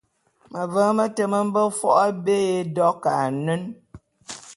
Meveň mete me mbe fo’o abé ya édok a anen.